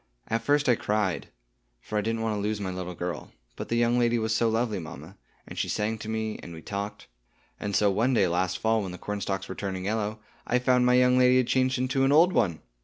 At first I cried, for I didn't want to lose my little girl; but the young lady was so lovely, mamma, and she sang to me, and we talked; and so one day last fall, when the cornstalks were turning yellow, I found my young lady had changed into an old one.